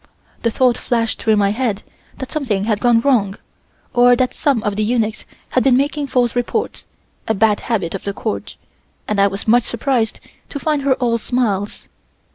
The thought flashed through my head that something had gone wrong, or that some of the eunuchs had been making false reports, a bad habit of the Court; and I was much surprised to find her all smiles.